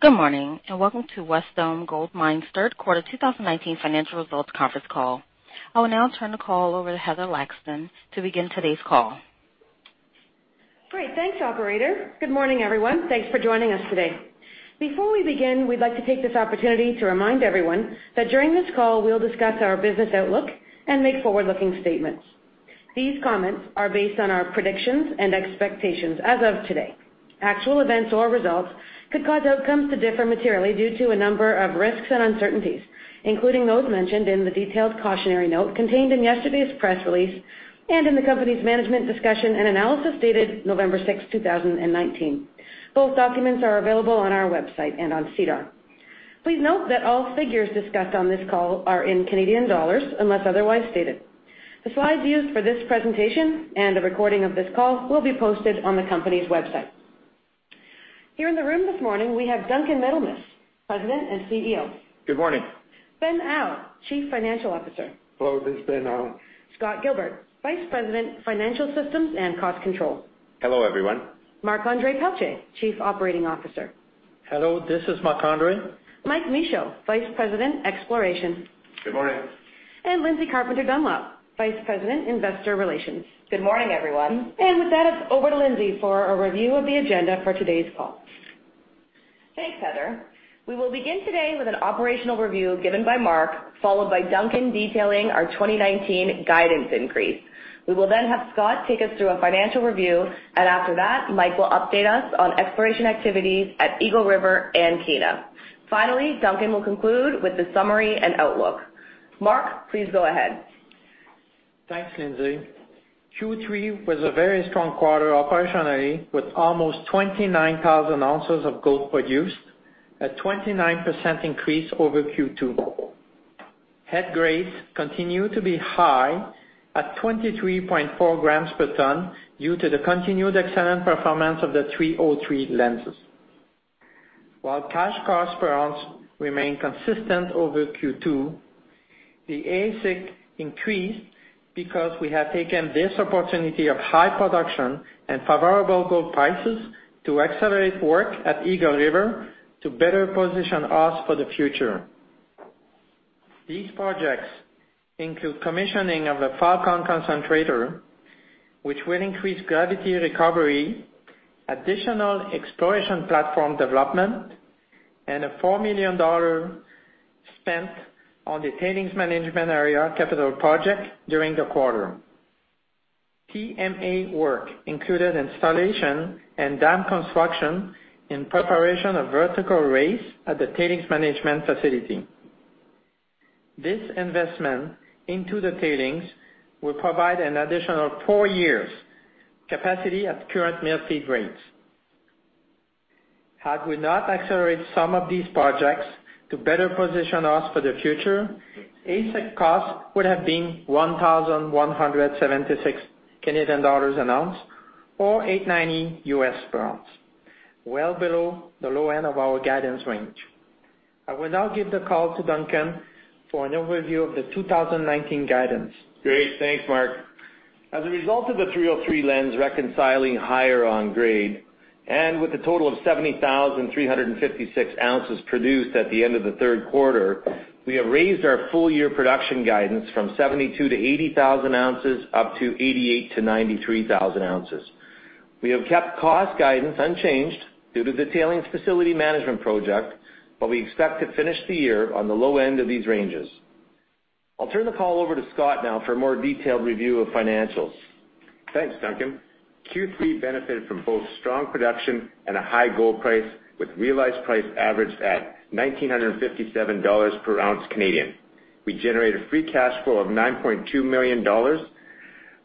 Good morning. Welcome to Wesdome Gold Mines' third quarter 2019 financial results conference call. I will now turn the call over to Heather Laxton to begin today's call. Great. Thanks, operator. Good morning, everyone. Thanks for joining us today. Before we begin, we'd like to take this opportunity to remind everyone that during this call, we'll discuss our business outlook and make forward-looking statements. These comments are based on our predictions and expectations as of today. Actual events or results could cause outcomes to differ materially due to a number of risks and uncertainties, including those mentioned in the detailed cautionary note contained in yesterday's press release and in the company's Management Discussion and Analysis dated November 6, 2019. Both documents are available on our website and on SEDAR. Please note that all figures discussed on this call are in Canadian dollars, unless otherwise stated. The slides used for this presentation and a recording of this call will be posted on the company's website. Here in the room this morning, we have Duncan Middlemiss, President and CEO. Good morning. Ben Au, Chief Financial Officer. Hello, this is Ben Au. Scott Gilbert, Vice President, Financial Systems and Cost Control. Hello, everyone. Marc-Andre Pelletier, Chief Operating Officer. Hello, this is Marc-Andre. Mike Michaud, Vice President, Exploration. Good morning. Lindsay Carpenter-Dunlop, Vice President, Investor Relations. Good morning, everyone. With that, it's over to Lindsay for a review of the agenda for today's call. Thanks, Heather. We will begin today with an operational review given by Marc, followed by Duncan detailing our 2019 guidance increase. We will then have Scott take us through a financial review, and after that, Mike will update us on exploration activities at Eagle River and Kiena. Finally, Duncan will conclude with the summary and outlook. Marc, please go ahead. Thanks, Lindsay. Q3 was a very strong quarter operationally, with almost 29,000 ounces of gold produced, a 29% increase over Q2. Head grades continue to be high at 23.4 grams per ton due to the continued excellent performance of the 303 lenses. Cash cost per ounce remained consistent over Q2, the AISC increased because we have taken this opportunity of high production and favorable gold prices to accelerate work at Eagle River to better position us for the future. These projects include commissioning of a Falcon concentrator, which will increase gravity recovery, additional exploration platform development, and a 4 million dollar spent on the tailings management area capital project during the quarter. TMA work included installation and dam construction in preparation of vertical raise at the tailings management facility. This investment into the tailings will provide an additional four years capacity at current mill feed grades. Had we not accelerated some of these projects to better position us for the future, AISC cost would have been 1,176 Canadian dollars an ounce or $890 per ounce, well below the low end of our guidance range. I will now give the call to Duncan for an overview of the 2019 guidance. Great. Thanks, Marc. As a result of the 303 Lens reconciling higher on grade, and with a total of 70,356 ounces produced at the end of the third quarter, we have raised our full year production guidance from 72,000-80,000 ounces up to 88,000-93,000 ounces. We have kept cost guidance unchanged due to the tailings facility management project. We expect to finish the year on the low end of these ranges. I'll turn the call over to Scott now for a more detailed review of financials. Thanks, Duncan. Q3 benefited from both strong production and a high gold price, with realized price averaged at 1,957 dollars per ounce Canadian. We generated free cash flow of 9.2 million dollars,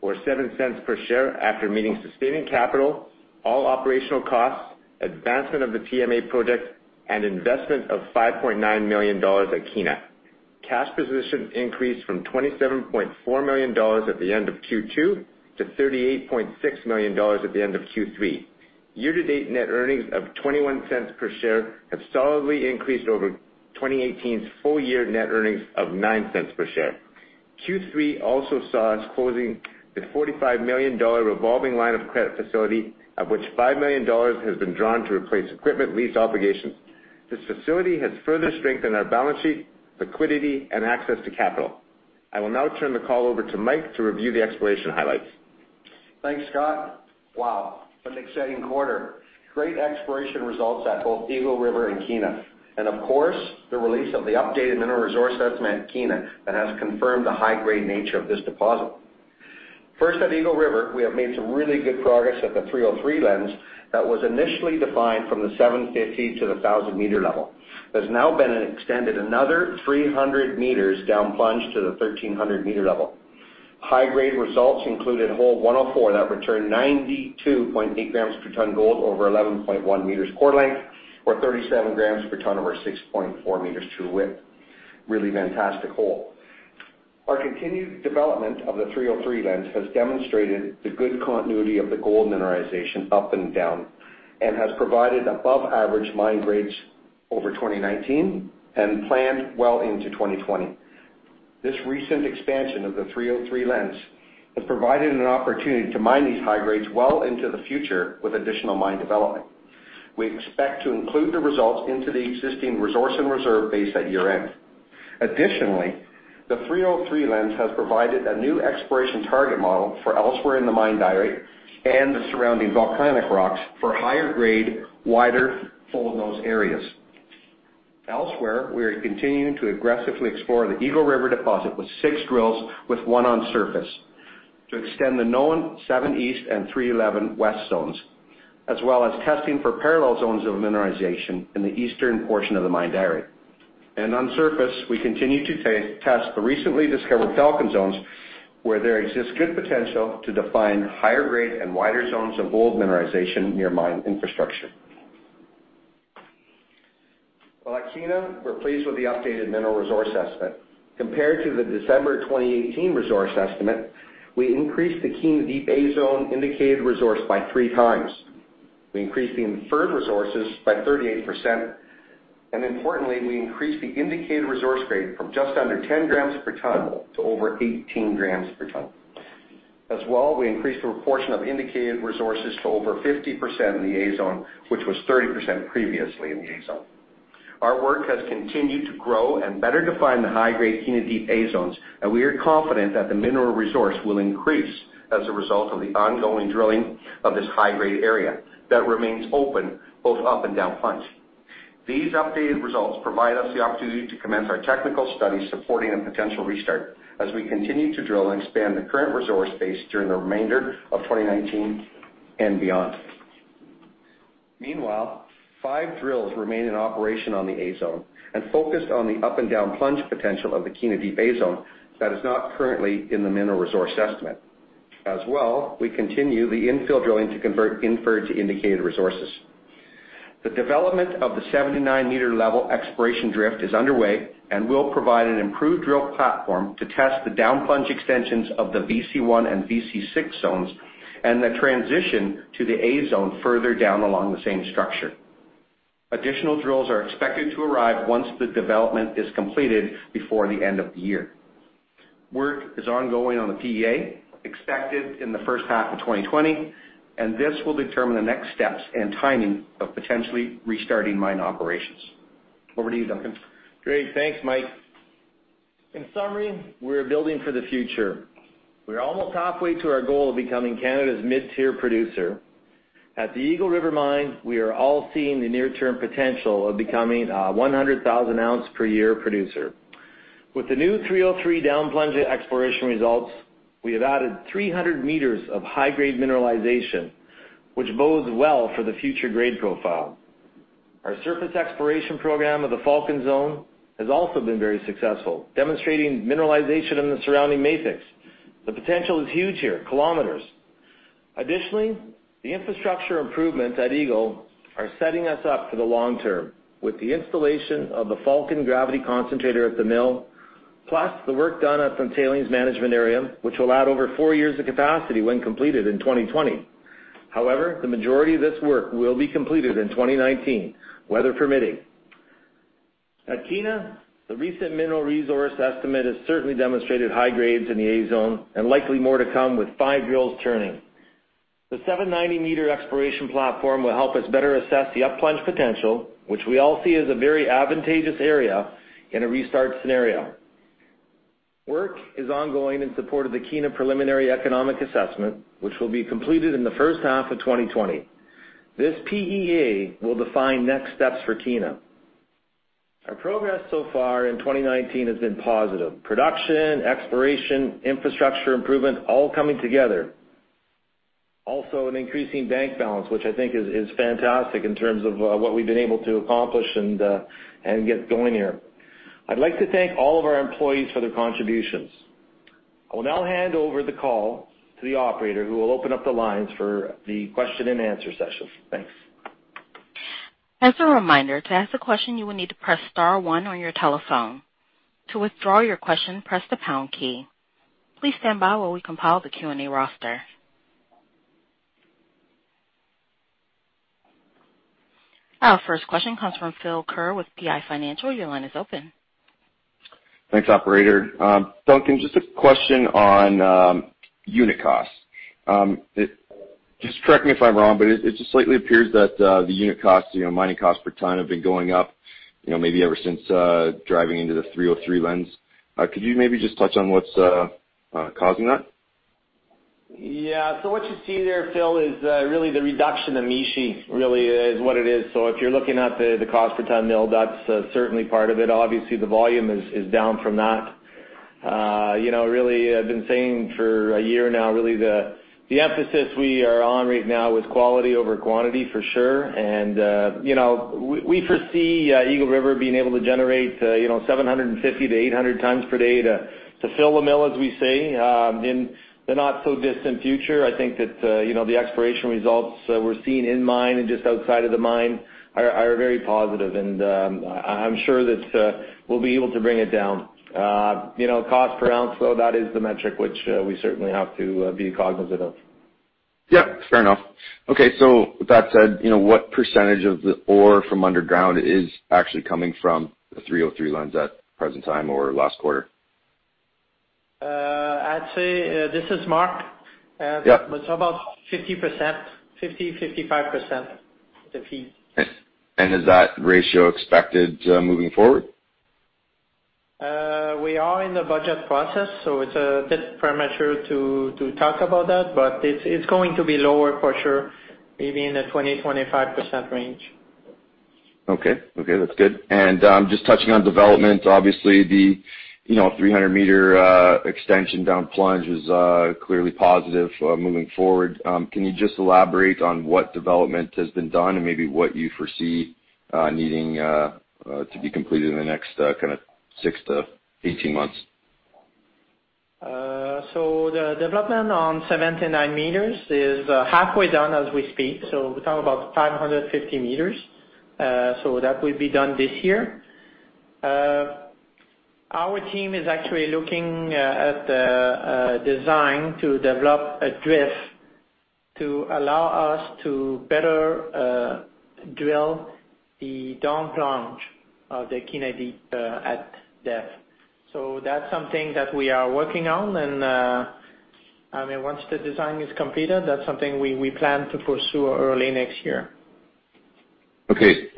or 0.07 per share, after meeting sustaining capital, all operational costs, advancement of the TMA project, and investment of 5.9 million dollars at Kiena. Cash position increased from 27.4 million dollars at the end of Q2 to 38.6 million dollars at the end of Q3. Year-to-date net earnings of 0.21 per share have solidly increased over 2018's full year net earnings of 0.09 per share. Q3 also saw us closing the 45 million dollar revolving line of credit facility, of which 5 million dollars has been drawn to replace equipment lease obligations. This facility has further strengthened our balance sheet, liquidity, and access to capital. I will now turn the call over to Mike to review the exploration highlights. Thanks, Scott. Wow, what an exciting quarter. Great exploration results at both Eagle River and Kiena. Of course, the release of the updated mineral resource estimate at Kiena that has confirmed the high-grade nature of this deposit. First, at Eagle River, we have made some really good progress at the 303 Lens that was initially defined from the 750 to the 1,000-meter level. It has now been extended another 300 meters down plunge to the 1,300-meter level. High-grade results included hole 104 that returned 92.8 grams per ton gold over 11.1 meters core length or 37 grams per ton over 6.4 meters true width. Really fantastic hole. Our continued development of the 303 Lens has demonstrated the good continuity of the gold mineralization up and down and has provided above-average mine grades over 2019 and planned well into 2020. This recent expansion of the 303 Lens has provided an opportunity to mine these high grades well into the future with additional mine development. We expect to include the results into the existing resource and reserve base at year-end. Additionally, the 303 Lens has provided a new exploration target model for elsewhere in the mine diorite and the surrounding volcanic rocks for higher grade, wider, full of those areas. Elsewhere, we are continuing to aggressively explore the Eagle River deposit with six drills, with one on surface, to extend the known 7 East and 311 West zones, as well as testing for parallel zones of mineralization in the eastern portion of the mine diorite. On surface, we continue to test the recently discovered Falcon zones, where there exists good potential to define higher grade and wider zones of gold mineralization near mine infrastructure. While at Kiena, we're pleased with the updated mineral resource estimate. Compared to the December 2018 resource estimate, we increased the Kiena Deep A-Zone indicated resource by three times. We increased the inferred resources by 38%, and importantly, we increased the indicated resource grade from just under 10 grams per ton to over 18 grams per ton. As well, we increased the proportion of indicated resources to over 50% in the A-Zone, which was 30% previously in the A-Zone. Our work has continued to grow and better define the high-grade Kiena Deep A-Zones. We are confident that the mineral resource will increase as a result of the ongoing drilling of this high-grade area that remains open both up and down plunge. These updated results provide us the opportunity to commence our technical studies supporting a potential restart, as we continue to drill and expand the current resource base during the remainder of 2019 and beyond. Meanwhile, five drills remain in operation on the A-Zone and focused on the up and down plunge potential of the Kiena Deep A-Zone that is not currently in the mineral resource estimate. We continue the infill drilling to convert inferred to indicated resources. The development of the 79-meter level exploration drift is underway and will provide an improved drill platform to test the down plunge extensions of the VC1 and VC6 zones and the transition to the A-Zone further down along the same structure. Additional drills are expected to arrive once the development is completed before the end of the year. Work is ongoing on the PEA, expected in the first half of 2020. This will determine the next steps and timing of potentially restarting mine operations. Over to you, Duncan. Great. Thanks, Mike. In summary, we're building for the future. We're almost halfway to our goal of becoming Canada's mid-tier producer. At the Eagle River mine, we are all seeing the near-term potential of becoming a 100,000-ounce-per-year producer. With the new 303 down plunge exploration results, we have added 300 meters of high-grade mineralization, which bodes well for the future grade profile. Our surface exploration program of the Falcon Zone has also been very successful, demonstrating mineralization in the surrounding matrix. The potential is huge here, kilometers. The infrastructure improvements at Eagle are setting us up for the long term with the installation of the Falcon gravity concentrator at the mill, plus the work done at the tailings management area, which will add over four years of capacity when completed in 2020. The majority of this work will be completed in 2019, weather permitting. At Kiena, the recent mineral resource estimate has certainly demonstrated high grades in the A-Zone and likely more to come with five drills turning. The 790-meter exploration platform will help us better assess the up plunge potential, which we all see as a very advantageous area in a restart scenario. Work is ongoing in support of the Kiena preliminary economic assessment, which will be completed in the first half of 2020. This PEA will define next steps for Kiena. Our progress so far in 2019 has been positive. Production, exploration, infrastructure improvement, all coming together. Also, an increasing bank balance, which I think is fantastic in terms of what we've been able to accomplish and get going here. I'd like to thank all of our employees for their contributions. I will now hand over the call to the operator, who will open up the lines for the question and answer session. Thanks. As a reminder, to ask a question, you will need to press *1 on your telephone. To withdraw your question, press the # key. Please stand by while we compile the Q&A roster. Our first question comes from Phil Ker with PI Financial. Your line is open. Thanks, operator. Duncan, just a question on unit costs. Just correct me if I'm wrong, but it just slightly appears that the unit costs, mining cost per ton, have been going up, maybe ever since driving into the 303 Lens. Could you maybe just touch on what's causing that? Yeah. What you see there, Phil, is really the reduction of Mishi, really is what it is. If you're looking at the cost per ton mill, that's certainly part of it. Obviously, the volume is down from that. Really, I've been saying for one year now, really the emphasis we are on right now is quality over quantity, for sure. We foresee Eagle River being able to generate 750 to 800 times per day to fill the mill, as we say, in the not-so-distant future. I think that the exploration results we're seeing in mine and just outside of the mine are very positive. I'm sure that we'll be able to bring it down. Cost per ounce, that is the metric which we certainly have to be cognizant of. Yeah, fair enough. Okay. With that said, what % of the ore from underground is actually coming from the 303 Lens at present time or last quarter? I'd say, this is Marc. Yeah. It's about 50%, 50, 55% of the feed. Is that ratio expected moving forward? We are in the budget process, so it's a bit premature to talk about that, but it's going to be lower for sure, maybe in the 20%-25% range. Okay. That's good. Just touching on development, obviously the 300-meter extension down plunge is clearly positive moving forward. Can you just elaborate on what development has been done and maybe what you foresee needing to be completed in the next 6-18 months? The development on 79 meters is halfway done as we speak. We are talking about 550 meters. That will be done this year. Our team is actually looking at the design to develop a drift to allow us to better drill the down plunge of the Kiena Deep at depth. That is something that we are working on, and once the design is completed, that is something we plan to pursue early next year. Okay.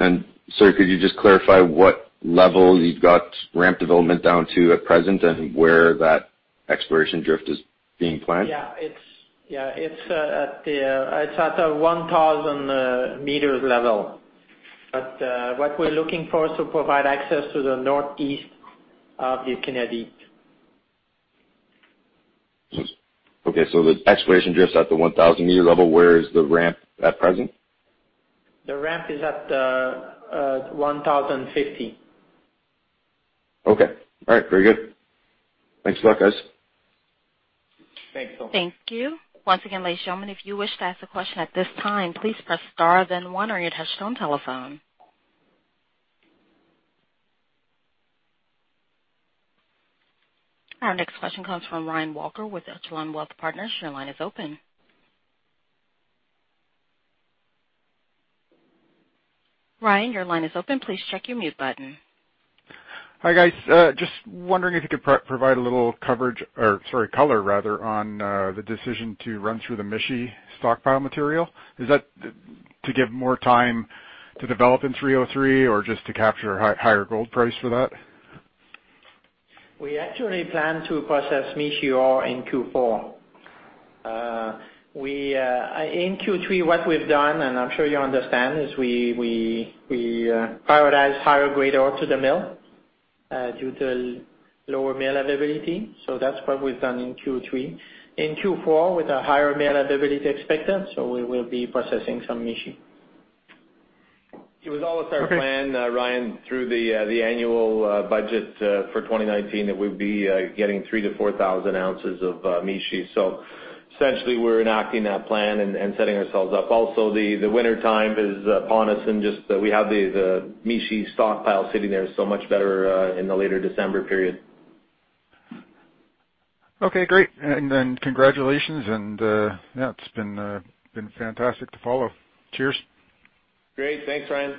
Sir, could you just clarify what level you've got ramp development down to at present and where that exploration drift is being planned? Yeah. It's at the 1,000 meters level. What we're looking for is to provide access to the northeast of the Kennedy. Okay. The exploration drift's at the 1,000-meter level. Where is the ramp at present? The ramp is at 1,050. Okay. All right. Very good. Thanks for that, guys. Thanks. Thank you. Once again, ladies and gentlemen, if you wish to ask a question at this time, please press star then one on your touch-tone telephone. Our next question comes from Ryan Walker with Echelon Wealth Partners. Your line is open. Ryan, your line is open. Please check your mute button. Hi, guys. Just wondering if you could provide a little coverage, or sorry, color rather, on the decision to run through the Mishi stockpile material. Is that to give more time to develop in 303 or just to capture a higher gold price for that? We actually plan to process Mishi ore in Q4. In Q3, what we've done, and I'm sure you understand, is we prioritize higher-grade ore to the mill due to lower mill availability. That's what we've done in Q3. In Q4, with a higher mill availability expected, we will be processing some Mishi. It was always our plan, Ryan, through the annual budget for 2019, that we'd be getting 3-4,000 ounces of Mishi. Essentially, we're enacting that plan and setting ourselves up. Also, the wintertime is upon us and just we have the Mishi stockpile sitting there, so much better in the later December period. Okay, great. Congratulations, and yeah, it's been fantastic to follow. Cheers. Great. Thanks, Ryan.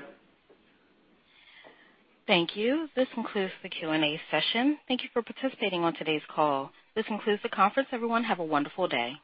Thank you. This concludes the Q&A session. Thank you for participating on today's call. This concludes the conference, everyone. Have a wonderful day.